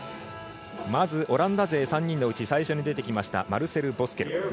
まず、オランダ勢３人のうち最初に出てきましたマルセル・ボスケル。